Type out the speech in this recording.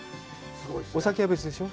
お酒は別でしょう？